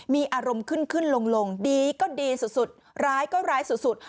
มีอารมณ์ขึ้นขึ้นลงดีก็ดีสุดร้ายก็ร้ายสุด